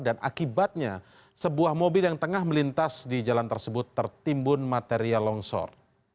dan akibatnya sebuah mobil yang tengah melintas di jalan tersebut tertimbun material longsor